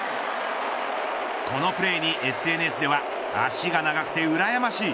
このプレーにＳＮＳでは足が長くてうらやましい。